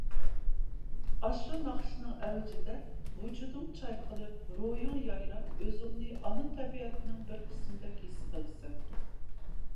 ئاشۇ ناخشىنىڭ ئەۋجىدە ۋۇجۇدۇڭ چايقىلىپ، روھىڭ يايراپ ئۆزۈڭنى ئانا تەبىئەتنىڭ بىر قىسمىدەك ھېس قىلىسەن.